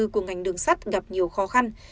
của ngành đường sắt gặp nhiều khó khăn